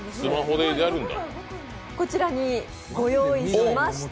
こちらにご用意しました。